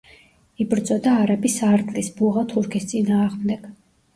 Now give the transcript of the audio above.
იბრძოდა არაბი სარდლის, ბუღა თურქის წინააღმდეგ.